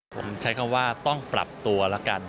ผมใช้คำว่าต้องปรับตัวแล้วกัน